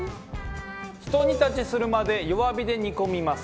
ひと煮立ちするまで弱火で煮込みます。